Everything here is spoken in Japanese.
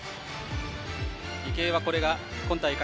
池江はこれが今大会